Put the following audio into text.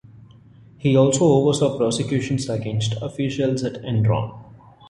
He also oversaw prosecutions against officials at Enron.